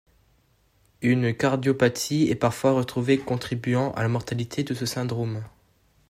Une cardiopathie est parfois retrouvée contribuant à la mortalité de ce syndrome.